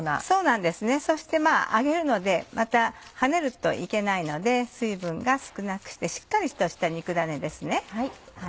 そうなんですねそして揚げるのではねるといけないので水分を少なくしてしっかりとした肉ダネですね。